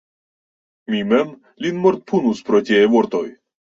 Mi mem lin mortpunus pro tiaj vortoj!